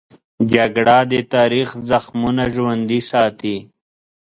جګړه د تاریخ زخمونه ژوندي ساتي